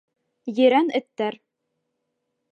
ЕРӘН ЭТТӘР